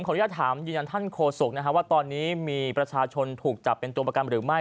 อนุญาตถามยืนยันท่านโฆษกว่าตอนนี้มีประชาชนถูกจับเป็นตัวประกันหรือไม่